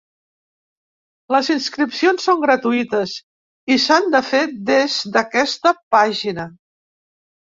Les inscripcions són gratuïtes i s’han de fer des d’aquesta pàgina.